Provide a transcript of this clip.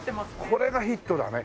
これがヒットだね。